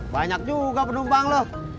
banyak juga penumpang loh